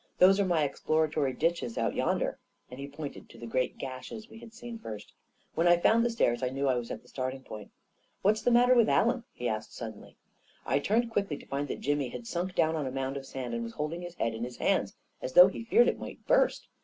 Those are my exploratory ditches out yonder," and he pointed to the great gashes we had seen first "When I found the stairs, I knew I was at the starting point. What's the matter with Allen? " he asked suddenly. I turned quickly to find that Jimmy had sunk down on a mound of sand and was holding his head in his hands as though he feared it might burst.